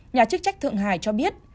nhà chức trách thượng hải cho biết